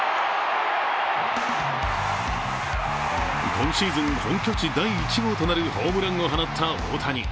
今シーズン本拠地第１号となるホームランを放った大谷。